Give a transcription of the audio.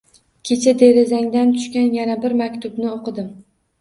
Kecha derazangdan tushgan yana bir maktubni o’qidim